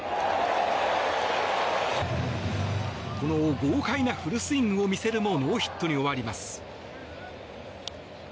この豪快なフルスイングを見せるもノーヒットに終わります。